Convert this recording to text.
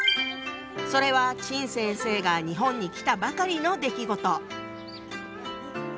それは陳先生が日本に来たばかりの出来事。